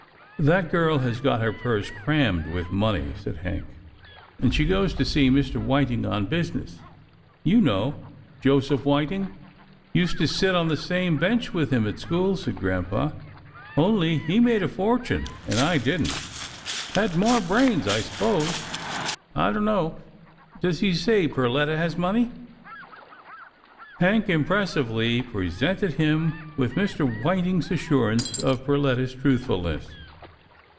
" That girl has got her purse crammed with money," said Hank, " and she goes to see Mr. Whiting on business. You know Joseph Whit ing?" " Used to sit on the same bench with him at school," said grampa, " only he made a fortune, and I didn't. Had more brains, I s'pose. I don't know. Does he say Perletta has money? " Hank impressively presented him with Mr. Whit ing's assurance of Perletta's truthfulness.